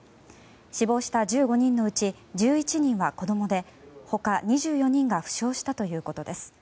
死亡した１５人のうち１１人は子供で他２４人が負傷したということです。